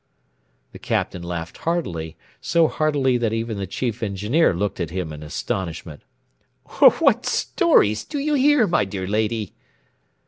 The Captain laughed heartily, so heartily that even the Chief Engineer looked at him in astonishment. "What stories do you hear, my dear lady?"